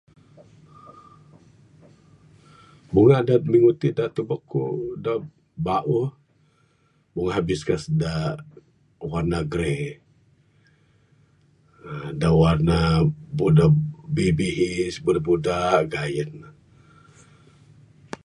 Bunga da minggu ti da tubek ku da bauh bunga hibiscus da warna grey....da warna buda...bihis bihis Buda Buda gayen.